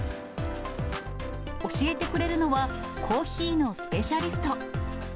教えてくれるのは、コーヒーのスペシャリスト。